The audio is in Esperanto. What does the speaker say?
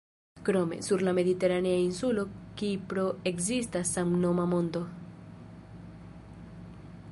Krome, sur la mediteranea insulo Kipro ekzistas samnoma monto.